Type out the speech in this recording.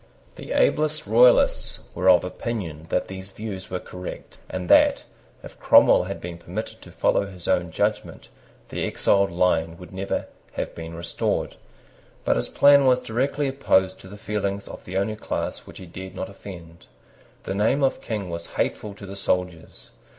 The ablest Royalists were of opinion that these views were correct, and that, if Cromwell had been permitted to follow his own judgment, the exiled line would never have been restored. But his plan was directly opposed to the feelings of the only class which he dared not offend. The name of King was hateful to the soldiers.